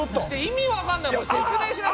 意味わかんない。